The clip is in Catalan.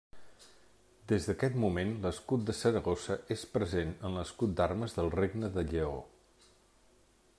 Des d'aquest moment l'escut de Saragossa és present en l'escut d'armes del Regne de Lleó.